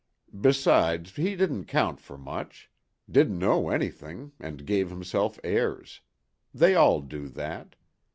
"Besides, he didn't count for much—didn't know anything and gave himself airs. They all do that.